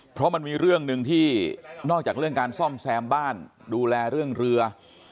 เพราะมันมีเรื่องหนึ่งที่นอกจากเรื่องการซ่อมแซมบ้านดูแลเรื่องเรือ